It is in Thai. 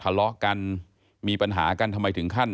ทะเลาะกันมีปัญหากันทำไมถึงขั้น